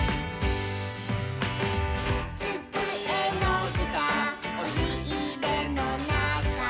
「つくえのしたおしいれのなか」